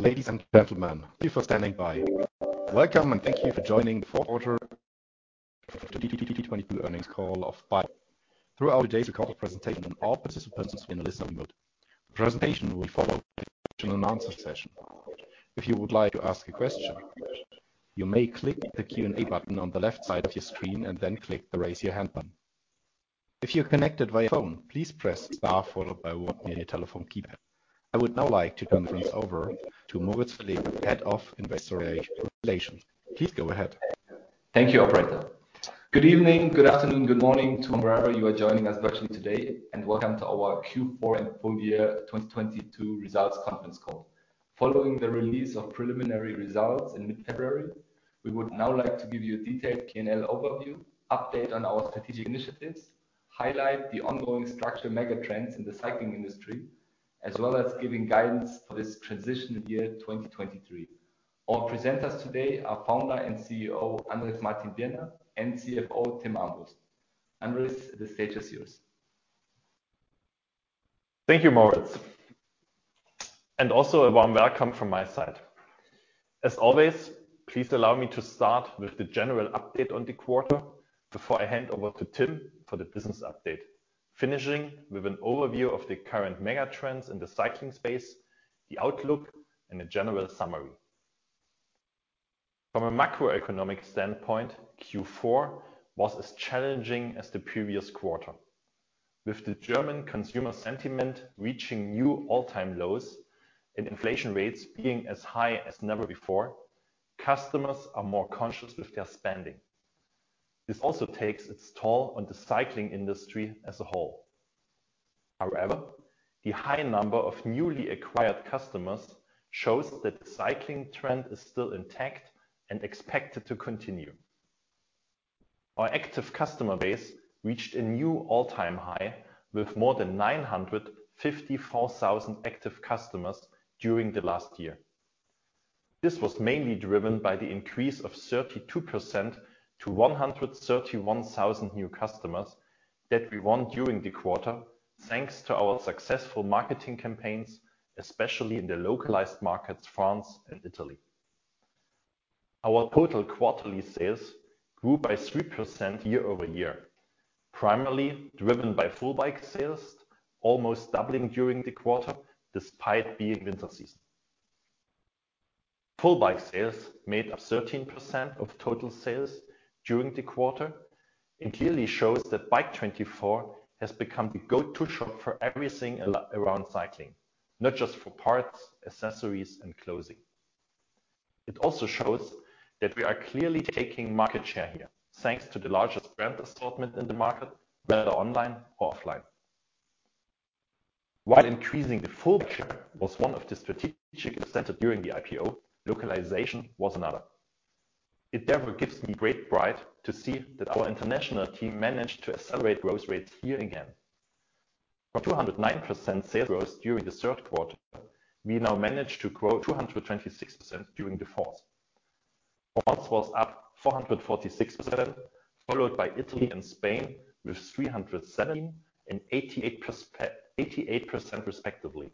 Ladies and gentlemen, thank you for standing by. Welcome, thank you for joining the fourth quarter of the 2022 earnings call of Bike24. Throughout today's recorded presentation, all participants will be in listening mode. The presentation will follow with the traditional announcement session. If you would like to ask a question, you may click the Q&A button on the left side of your screen and then click the Raise Your Hand button. If you're connected via phone, please press star followed by one on your telephone keypad. I would now like to turn the meeting over to Moritz Verleger, Head of Investor Relations. Please go ahead. Thank you, operator. Good evening, good afternoon, good morning to wherever you are joining us virtually today, and welcome to our Q4 and full year 2022 results conference call. Following the release of preliminary results in mid-February, we would now like to give you a detailed P&L overview, update on our strategic initiatives, highlight the ongoing structural mega trends in the cycling industry, as well as giving guidance for this transitional year, 2023. Our presenters today are Founder and CEO, Andres Martin Diener, and CFO, Timm Armbrust. Andres, the stage is yours. Thank you, Moritz. Also a warm welcome from my side. As always, please allow me to start with the general update on the quarter before I hand over to Tim for the business update, finishing with an overview of the current mega trends in the cycling space, the outlook, and a general summary. From a macroeconomic standpoint, Q4 was as challenging as the previous quarter. With the German consumer sentiment reaching new all-time lows and inflation rates being as high as never before, customers are more conscious with their spending. This also takes its toll on the cycling industry as a whole. However, the high number of newly acquired customers shows that the cycling trend is still intact and expected to continue. Our active customer base reached a new all-time high with more than 954,000 active customers during the last year. This was mainly driven by the increase of 32% to 131,000 new customers that we won during the quarter, thanks to our successful marketing campaigns, especially in the localized markets, France and Italy. Our total quarterly sales grew by 3% year-over-year, primarily driven by full bike sales, almost doubling during the quarter, despite being winter season. Full bike sales made up 13% of total sales during the quarter and clearly shows that Bike24 has become the go-to shop for everything around cycling, not just for parts, accessories and clothing. It also shows that we are clearly taking market share here, thanks to the largest brand assortment in the market, whether online or offline. While increasing the full picture was one of the strategic incentive during the IPO, localization was another. It therefore gives me great pride to see that our international team managed to accelerate growth rates here again. From 209% sales growth during the third quarter, we now managed to grow 226% during the fourth. France was up 446%, followed by Italy and Spain with 317% and 88% respectively.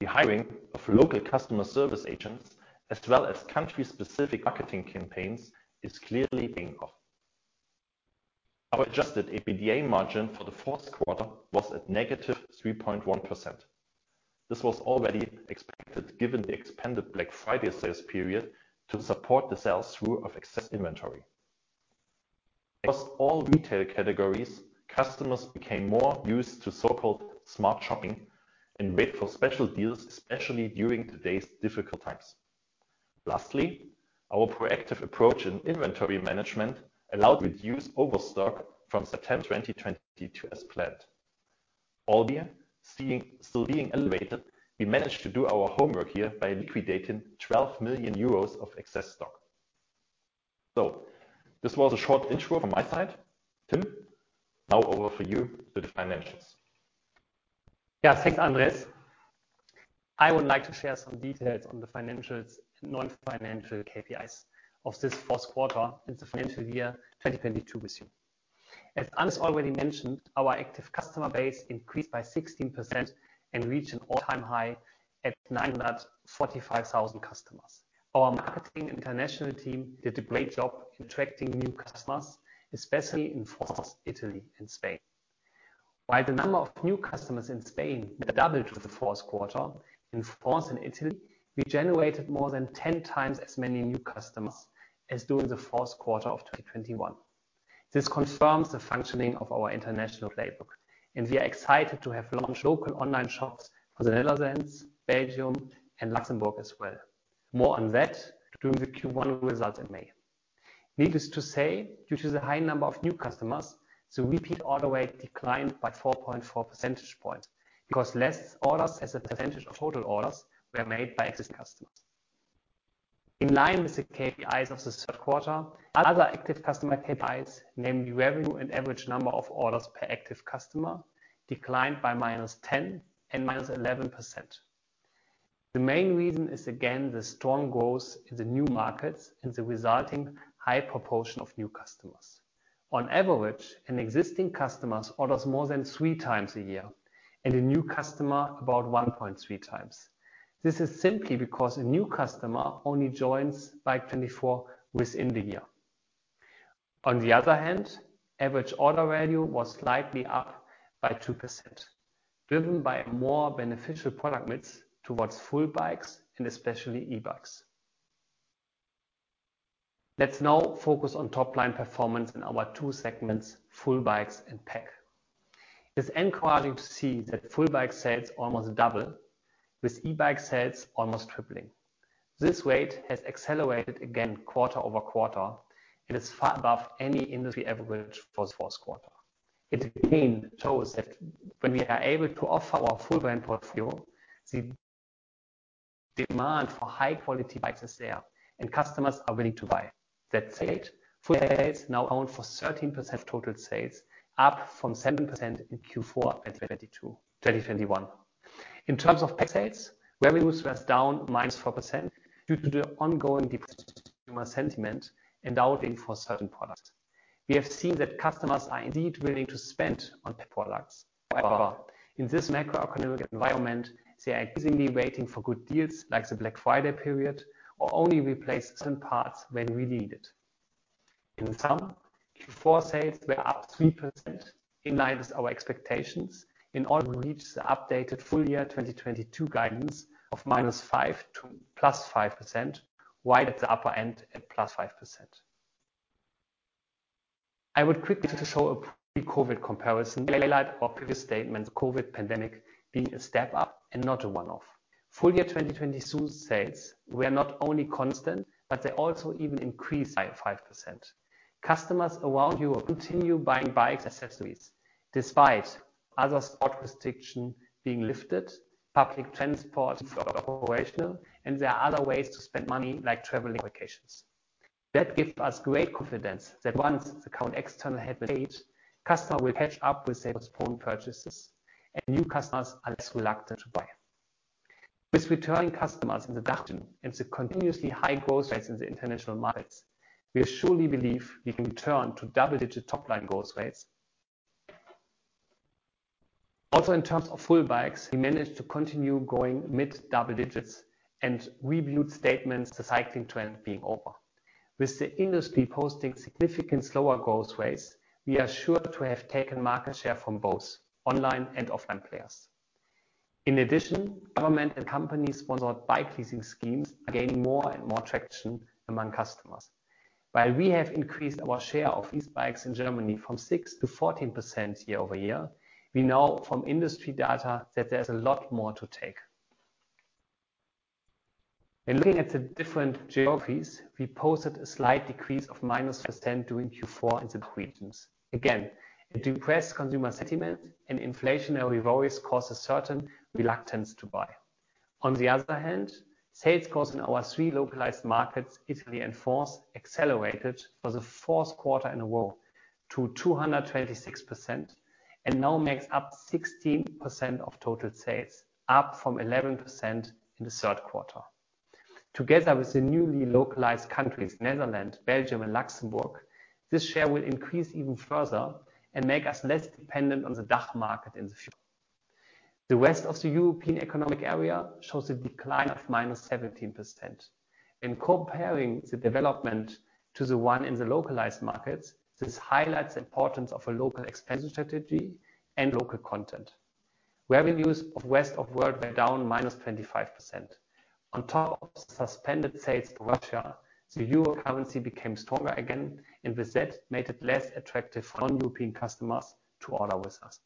The hiring of local customer service agents as well as country-specific marketing campaigns is clearly paying off. Our adjusted EBITDA margin for the fourth quarter was at -3.1%. This was already expected given the expanded Black Friday sales period to support the sales through of excess inventory. Across all retail categories, customers became more used to so-called smart shopping and wait for special deals, especially during today's difficult times. Lastly, our proactive approach in inventory management allowed to reduce overstock from September 2022 as planned. All year, still being elevated, we managed to do our homework here by liquidating 12 million euros of excess stock. This was a short intro from my side. Tim, now over for you to the financials. Yeah. Thanks, Andres. I would like to share some details on the financials and non-financial KPIs of this fourth quarter and the financial year 2022 with you. As Andres already mentioned, our active customer base increased by 16% and reached an all-time high at 945,000 customers. Our marketing international team did a great job in attracting new customers, especially in France, Italy and Spain. While the number of new customers in Spain more than doubled with the fourth quarter, in France and Italy, we generated more than 10 times as many new customers as during the fourth quarter of 2021. This confirms the functioning of our international playbook, and we are excited to have launched local online shops for the Netherlands, Belgium and Luxembourg as well. More on that during the Q1 results in May. Needless to say, due to the high number of new customers, the repeat order rate declined by 4.4 percentage points because less orders as a percentage of total orders were made by existing customers. In line with the KPIs of the third quarter, other active customer KPIs, namely revenue and average number of orders per active customer, declined by -10% and -11%. The main reason is again, the strong growth in the new markets and the resulting high proportion of new customers. On average, an existing customers orders more than 3 times a year, and a new customer about 1.3 times. This is simply because a new customer only joins Bike24 within the year. On the other hand, average order value was slightly up by 2%, driven by more beneficial product mix towards full bikes and especially e-bikes. Let's now focus on top-line performance in our two segments, full bikes and PAC. It's encouraging to see that full bike sales almost double, with e-bike sales almost tripling. This rate has accelerated again quarter-over-quarter, and it's far above any industry average for fourth quarter. It again shows that when we are able to offer our full brand portfolio, the demand for high-quality bikes is there and customers are willing to buy. That said, full bikes now account for 13% total sales, up from 7% in Q4 in 2021. In terms of PAC sales, revenues were down -4% due to the ongoing depressed consumer sentiment and doubting for certain products. We have seen that customers are indeed willing to spend on PAC products. However, in this macroeconomic environment, they are increasingly waiting for good deals like the Black Friday period, or only replace certain parts when really needed. In sum, Q4 sales were up 3%, in line with our expectations, in order to reach the updated full year 2022 guidance of -5% to +5%, right at the upper end at +5%. I would quickly like to show a pre-COVID comparison to highlight our previous statements of COVID pandemic being a step-up and not a one-off. Full year 2022 sales were not only constant, they also even increased by 5%. Customers around Europe continue buying bikes and accessories despite other sport restriction being lifted, public transport being operational, there are other ways to spend money, like traveling vacations. That gives us great confidence that once the current external headwinds fade, customer will catch up with their postponed purchases, and new customers are less reluctant to buy. With returning customers in the DACH region and the continuously high growth rates in the international markets, we surely believe we can return to double-digit top-line growth rates. Also, in terms of full bikes, we managed to continue growing mid double-digits and rebut statements the cycling trend being over. With the industry posting significant slower growth rates, we are sure to have taken market share from both online and offline players. In addition, government and company-sponsored bike leasing schemes are gaining more and more traction among customers. While we have increased our share of these bikes in Germany from 6% to 14% year-over-year, we know from industry data that there's a lot more to take. In looking at the different geographies, we posted a slight decrease of -2% during Q4 in the DACH regions. A depressed consumer sentiment and inflationary worries caused a certain reluctance to buy. Sales growth in our three localized markets, Italy and France, accelerated for the fourth quarter in a row to 226%, and now makes up 16% of total sales, up from 11% in the third quarter. Together with the newly localized countries, Netherlands, Belgium and Luxembourg, this share will increase even further and make us less dependent on the DACH market in the future. The rest of the European economic area shows a decline of -17%. In comparing the development to the one in the localized markets, this highlights the importance of a local expansion strategy and local content. Revenues of rest of world were down -25%. On top of suspended sales to Russia, the EUR currency became stronger again and with that, made it less attractive for non-European customers to order with us.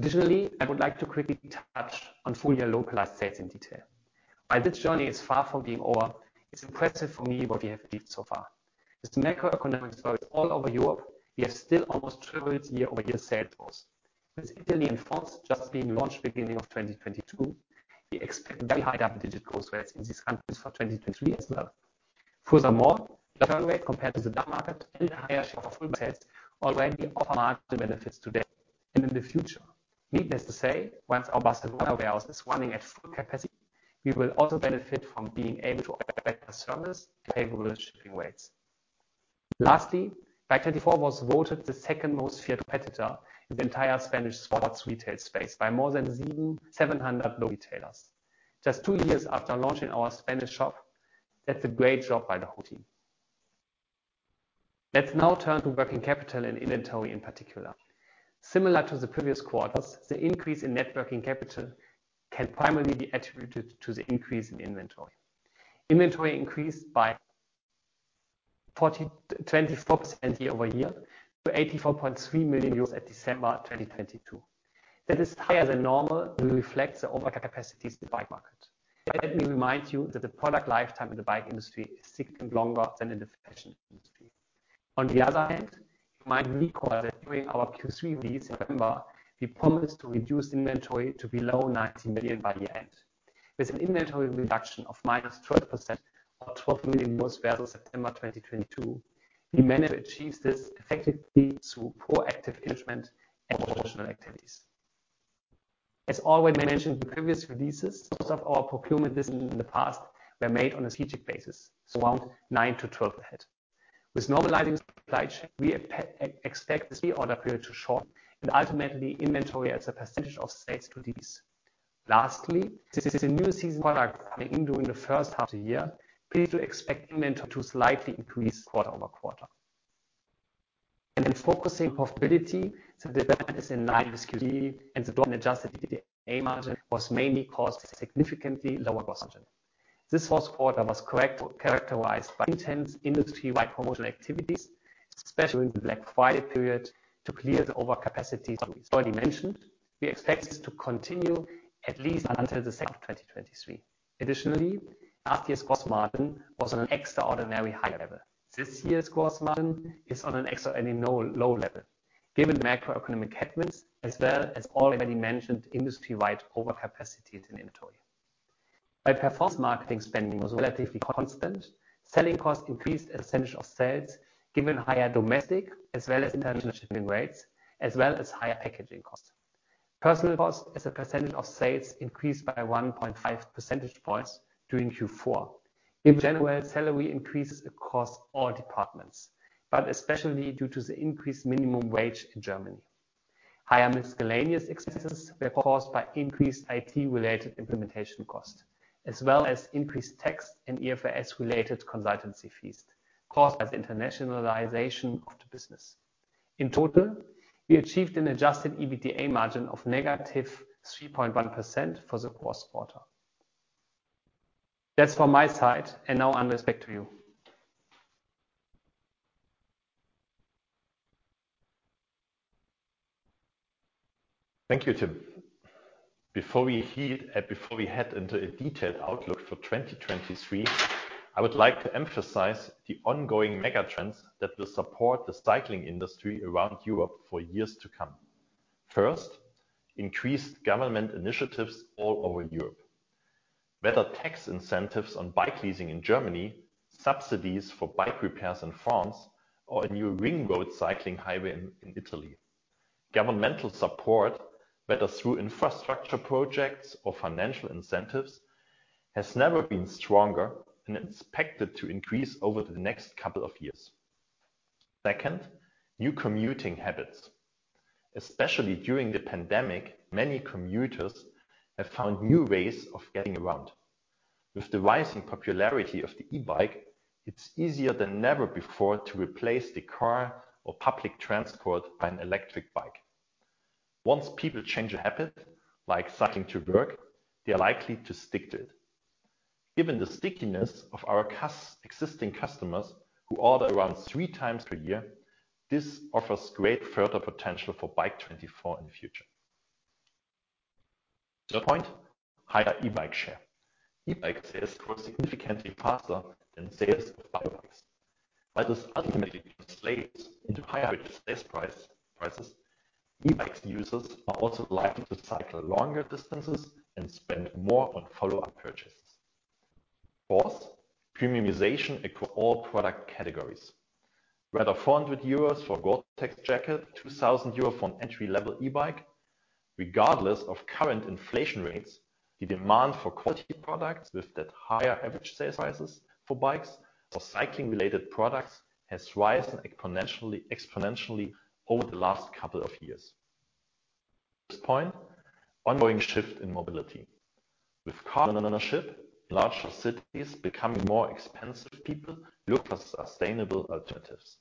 I would like to quickly touch on full-year localized sales in detail. While this journey is far from being over, it's impressive for me what we have achieved so far. With the macroeconomic struggles all over Europe, we have still almost tripled year-over-year sales growth. With Italy and France just being launched beginning of 2022, we expect very high double-digit growth rates in these countries for 2023 as well. The churn rate compared to the DACH market and the higher share of full bikes sales already offer margin benefits today and in the future. Needless to say, once our Barcelona warehouse is running at full capacity, we will also benefit from being able to offer better service and favorable shipping rates. Bike24 was voted the second most feared competitor in the entire Spanish sports retail space by more than 7,700 retailers. Just two years after launching our Spanish shop, that's a great job by the whole team. Let's now turn to working capital and inventory in particular. Similar to the previous quarters, the increase in net working capital can primarily be attributed to the increase in inventory. Inventory increased by 24% year-over-year to 84.3 million euros at December 2022. That is higher than normal and will reflect the overcapacity in the bike market. Let me remind you that the product lifetime in the bike industry is significantly longer than in the fashion industry. On the other hand, you might recall that during our Q3 release in November, we promised to reduce inventory to below 90 million by the end. With an inventory reduction of -12% or 12 million euros versus September 2022, we managed to achieve this effectively through proactive management and promotional activities. As already mentioned in previous releases, some of our procurement decisions in the past were made on a strategic basis, so around 9 to 12 ahead. With normalizing supply chain, we expect the reorder period to shorten and ultimately inventory as a % of sales to decrease. Since the new season product coming during the first half of the year, please do expect inventory to slightly increase quarter-over-quarter. Focusing on profitability, the development is in line with the Q3, and the drop in adjusted EBITDA margin was mainly caused by significantly lower gross margin. This fourth quarter was characterized by intense industry-wide promotional activities, especially during the Black Friday period, to clear the overcapacity that we've already mentioned. We expect this to continue at least until the second half of 2023. Additionally, last year's gross margin was on an extraordinary higher level. This year's gross margin is on an extraordinary low level, given the macroeconomic headwinds as well as already mentioned industry-wide overcapacities in inventory. While performance marketing spending was relatively constant, selling costs increased as a % of sales given higher domestic as well as international shipping rates, as well as higher packaging costs. Personnel costs as a percentage of sales increased by 1.5 percentage points during Q4, giving general salary increases across all departments, especially due to the increased minimum wage in Germany. Higher miscellaneous expenses were caused by increased IT-related implementation costs, as well as increased tax and IFRS-related consultancy fees caused by the internationalization of the business. In total, we achieved an adjusted EBITDA margin of -3.1% for the fourth quarter. That's for my side. Now, Andrés, back to you. Thank you, Tim Armbrust. Before we head into a detailed outlook for 2023, I would like to emphasize the ongoing mega trends that will support the cycling industry around Europe for years to come. First, increased government initiatives all over Europe. Whether tax incentives on bike leasing in Germany, subsidies for bike repairs in France, or a new ring road cycling highway in Italy, governmental support, whether through infrastructure projects or financial incentives, has never been stronger and expected to increase over the next couple of years. Second, new commuting habits. Especially during the pandemic, many commuters have found new ways of getting around. With the rising popularity of the e-bike, it's easier than never before to replace the car or public transport by an electric bike. Once people change a habit, like cycling to work, they are likely to stick to it. Given the stickiness of our existing customers who order around three times per year, this offers great further potential for Bike24 in the future. Third point, higher e-bike share. E-bike sales grow significantly faster than sales of bikes. While this ultimately translates into higher average sales price, e-bike users are also likely to cycle longer distances and spend more on follow-up purchases. Fourth, premiumization across all product categories. Whether 400 euros for Gore-Tex jacket, 2,000 euros for an entry-level e-bike, regardless of current inflation rates, the demand for quality products with that higher average sales prices for bikes or cycling-related products has risen exponentially over the last couple of years. Fifth point, ongoing shift in mobility. With car ownership in larger cities becoming more expensive, people look for sustainable alternatives.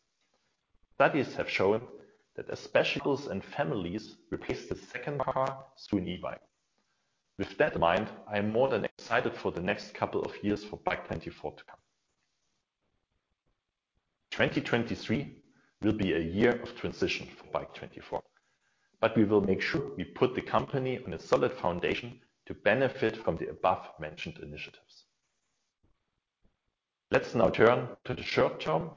Studies have shown that especially couples and families replace the second car to an e-bike. With that in mind, I am more than excited for the next couple of years for Bike24 to come. 2023 will be a year of transition for Bike24, but we will make sure we put the company on a solid foundation to benefit from the above-mentioned initiatives. Let's now turn to the short term,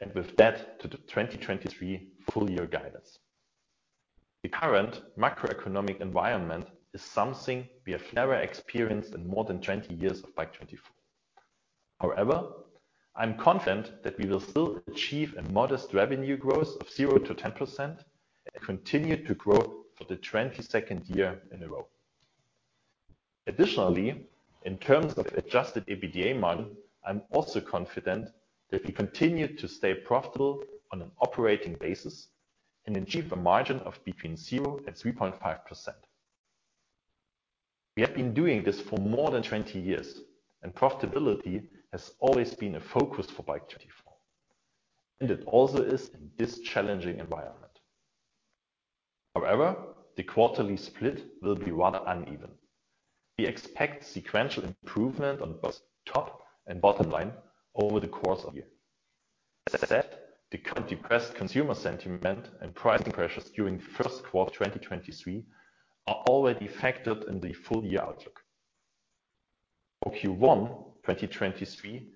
and with that, to the 2023 full-year guidance. The current macroeconomic environment is something we have never experienced in more than 20 years of Bike24. However, I'm confident that we will still achieve a modest revenue growth of 0%-10% and continue to grow for the 22nd year in a row. Additionally, in terms of adjusted EBITDA margin, I'm also confident that we continue to stay profitable on an operating basis and achieve a margin of between 0% and 3.5%. We have been doing this for more than 20 years, profitability has always been a focus for Bike24. It also is in this challenging environment. However, the quarterly split will be rather uneven. We expect sequential improvement on both top and bottom line over the course of the year. As I said, the current depressed consumer sentiment and pricing pressures during the first quarter of 2023 are already factored in the full-year outlook. For Q1 2023,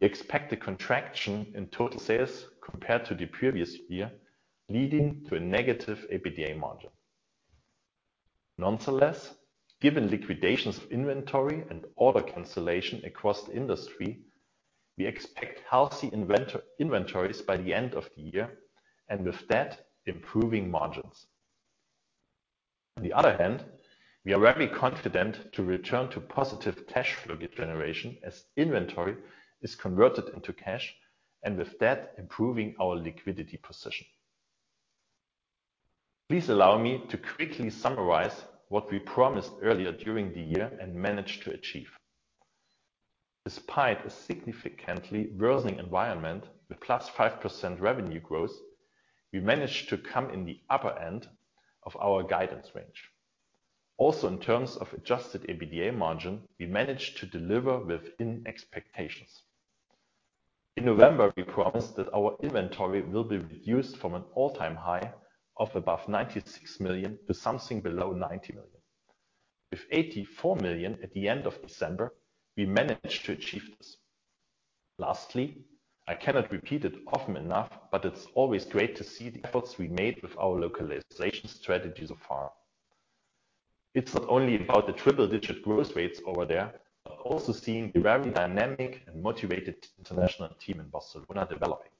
we expect a contraction in total sales compared to the previous year, leading to a negative EBITDA margin. Nonetheless, given liquidations of inventory and order cancellation across the industry. We expect healthy inventories by the end of the year and with that, improving margins. On the other hand, we are very confident to return to positive cash flow generation as inventory is converted into cash, and with that, improving our liquidity position. Please allow me to quickly summarize what we promised earlier during the year and managed to achieve. Despite a significantly worsening environment with +5% revenue growth, we managed to come in the upper end of our guidance range. Also, in terms of adjusted EBITDA margin, we managed to deliver within expectations. In November, we promised that our inventory will be reduced from an all-time high of above 96 million to something below 90 million. With 84 million at the end of December, we managed to achieve this. Lastly, I cannot repeat it often enough, but it's always great to see the efforts we made with our localization strategy so far. It's not only about the triple digit growth rates over there, but also seeing the very dynamic and motivated international team in Barcelona developing.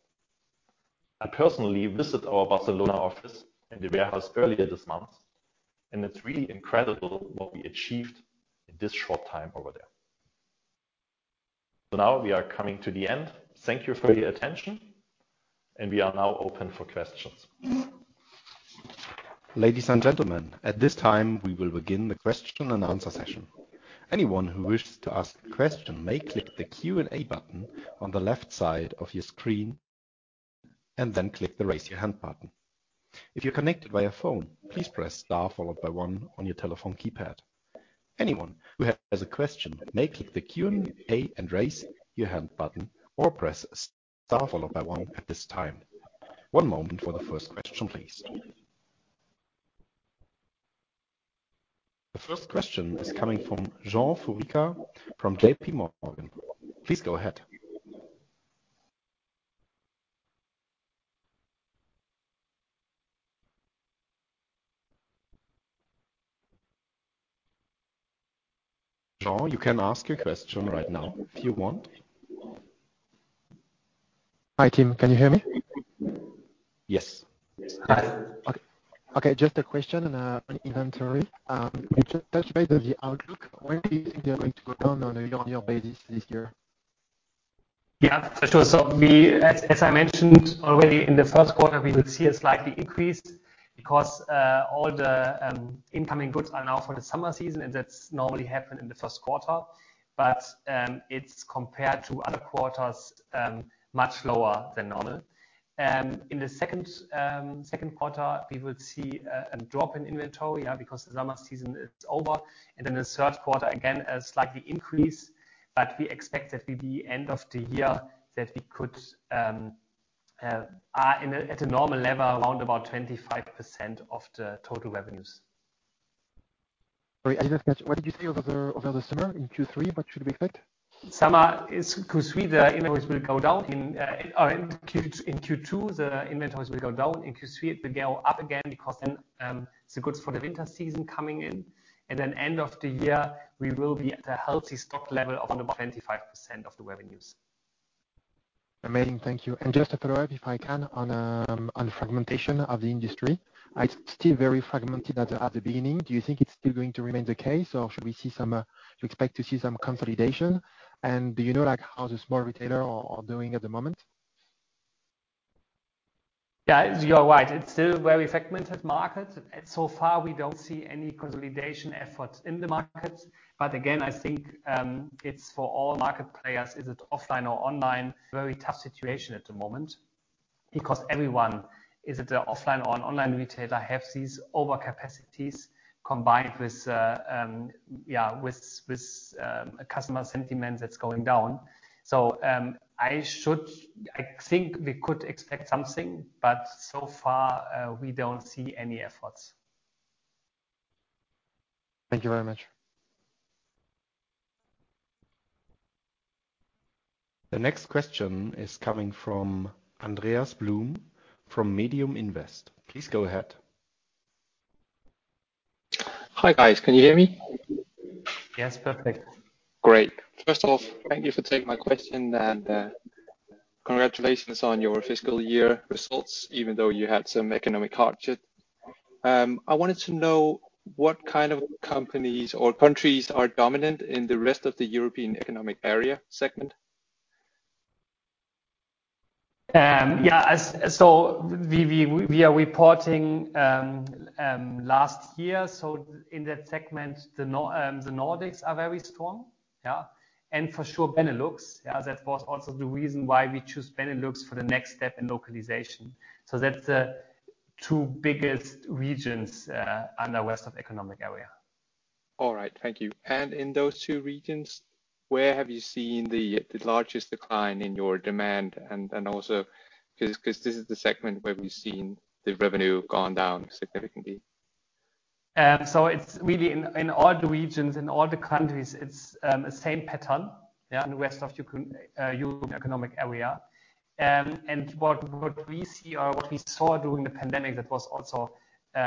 I personally visit our Barcelona office and the warehouse earlier this month, and it's really incredible what we achieved in this short time over there. Now we are coming to the end. Thank you for your attention, and we are now open for questions. Ladies and gentlemen, at this time, we will begin the question-and-answer session. Anyone who wishes to ask a question may click the Q&A button on the left side of your screen and then click the Raise Your Hand button. If you're connected via phone, please press star followed by one on your telephone keypad. Anyone who has a question may click the Q&A and Raise Your Hand button or press star followed by one at this time. One moment for the first question, please. The first question is coming from Jean Fourica from JPMorgan. Please go ahead. Jean, you can ask your question right now if you want. Hi, Tim. Can you hear me? Yes. Okay. Just a question on inventory. You just touched base on the outlook. When do you think they're going to go down on a year-on-year basis this year? For sure. As I mentioned already in the first quarter, we will see a slightly increase because all the incoming goods are now for the summer season, and that's normally happened in the first quarter. It's compared to other quarters, much lower than normal. In the second quarter, we will see a drop in inventory because the summer season is over. The third quarter, again, a slightly increase. We expect that with the end of the year that we could at a normal level around about 25% of the total revenues. Sorry, I didn't catch. What did you say over the summer in Q3? What should we expect? Summer is Q3, the inventories will go down in, or in Q2, the inventories will go down. In Q3, it will go up again because then, the goods for the winter season coming in, and then end of the year, we will be at a healthy stock level of about 25% of the revenues. Amazing. Thank you. Just a follow-up, if I can, on fragmentation of the industry. It's still very fragmented at the, at the beginning. Do you think it's still going to remain the case, or do you expect to see some consolidation? Do you know, like, how the small retailer are doing at the moment? You're right. It's still a very fragmented market. We don't see any consolidation efforts in the market. Again, I think, it's for all market players, is it offline or online, very tough situation at the moment because everyone, is it an offline or an online retailer, has these overcapacities combined with customer sentiment that's going down. I think we could expect something, but so far, we don't see any efforts. Thank you very much. The next question is coming from Andreas Blom from MediumInvest. Please go ahead. Hi, guys. Can you hear me? Yes. Perfect. Great. First off, thank you for taking my question and congratulations on your fiscal year results, even though you had some economic hardship. I wanted to know what kind of companies or countries are dominant in the rest of the European economic area segment. Yeah. We are reporting last year. In that segment, the Nordics are very strong. Yeah. For sure, Benelux. Yeah. That was also the reason why we choose Benelux for the next step in localization. That's the two biggest regions, under rest of economic area. All right. Thank you. In those two regions, where have you seen the largest decline in your demand and also. 'Cause this is the segment where we've seen the revenue gone down significantly. It's really in all the regions, in all the countries, it's the same pattern, in the rest of European economic area. What we see or what we saw during the pandemic, that was also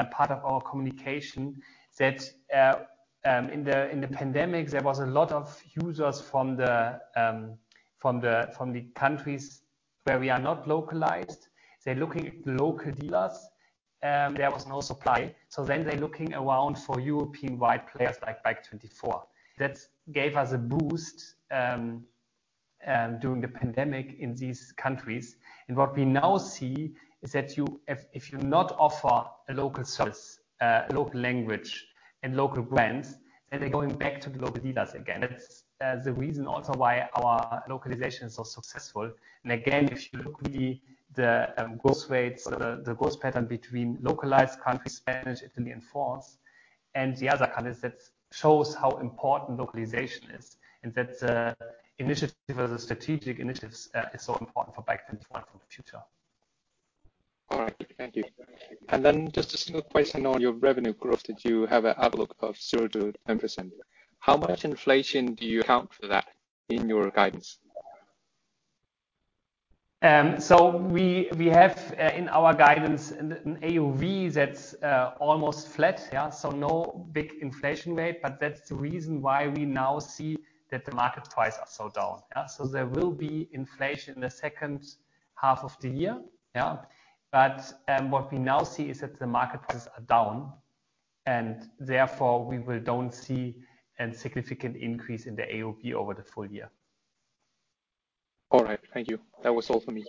part of our communication, that in the pandemic, there was a lot of users from the countries where we are not localized. They're looking at the local dealers. There was no supply. They're looking around for European-wide players like Bike24. That gave us a boost during the pandemic in these countries. What we now see is that if you not offer a local service, a local language and local brands, then they're going back to the local dealers again. That's the reason also why our localization is so successful. Again, if you look really the growth rates or the growth pattern between localized countries, Spanish, Italian, French and the other countries, that shows how important localization is and that initiative or the strategic initiatives is so important for Bike24 for the future. All right. Thank you. Just a single question on your revenue growth that you have an outlook of 0%-10%. How much inflation do you account for that in your guidance? We have in our guidance an AOV that's almost flat. Yeah. No big inflation rate, but that's the reason why we now see that the market price are so down. Yeah. There will be inflation in the second half of the year. Yeah. What we now see is that the market prices are down, and therefore we will don't see a significant increase in the AOV over the full year. All right. Thank you. That was all for me.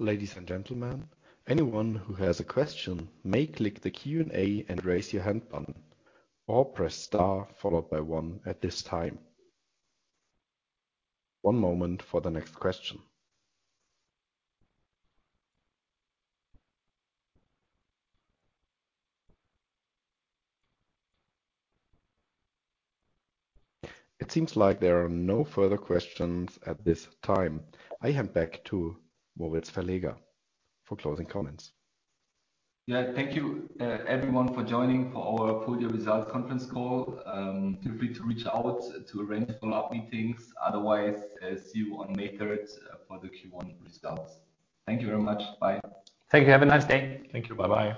Ladies and gentlemen, anyone who has a question may click the Q&A and raise your hand button or press star followed by one at this time. One moment for the next question. It seems like there are no further questions at this time. I hand back to Moritz Verleger for closing comments. Yeah. Thank you, everyone for joining for our full year results conference call. Feel free to reach out to arrange follow-up meetings. Otherwise, see you on May third for the Q1 results. Thank you very much. Bye. Thank you. Have a nice day. Thank you. Bye-bye.